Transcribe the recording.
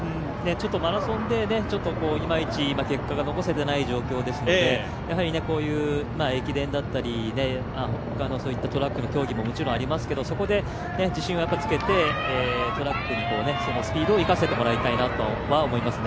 マラソンでいまいち結果が残せていない状況ですので、こういう駅伝だったり、他のトラックの競技ももちろんありますけれども、そこで自信をつけて、トラックにスピードを生かしてもらいたいなとは思いますね。